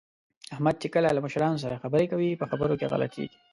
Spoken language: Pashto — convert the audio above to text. احمد چې کله له مشرانو سره خبرې کوي، په خبرو کې غلطېږي